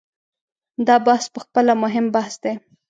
دا بحث په خپله مهم بحث دی.